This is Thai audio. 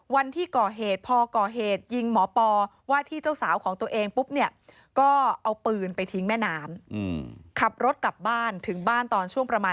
วันที่ก่อเหตุพอก่อเหตุยิงหมอปอล์